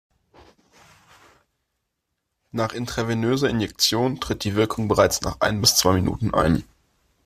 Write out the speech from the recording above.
Nach intravenöser Injektion tritt die Wirkung bereits nach ein bis zwei Minuten ein.